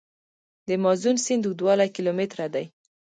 د مازون سیند اوږدوالی کیلومتره دی.